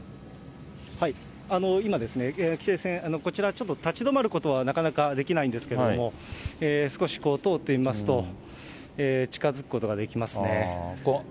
今ですね、規制線、こちら、ちょっと立ち止まることはなかなかできないんですけれども、少し通ってみますと、近づくことができますね。